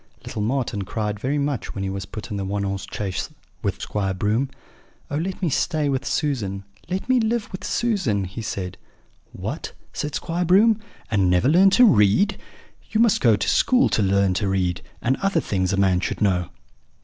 "Little Marten cried very much when he was put into the one horse chaise with Squire Broom. "'Oh, let me stay with Susan! let me live with Susan!' he said. "'What!' said Squire Broom, 'and never learn to read? You must go to school to learn to read, and other things a man should know.'